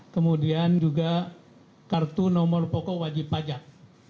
kemudian juga kartu nomor pokok wajib pajak